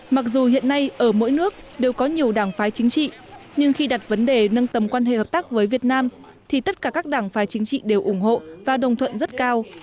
mặc dù hiện nay ở mỗi nước đều có nhiều đảng phái chính trị nhưng khi đặt vấn đề nâng tầm quan hệ hợp tác với việt nam thì tất cả các đảng phái chính trị đều ủng hộ và đồng thuận rất cao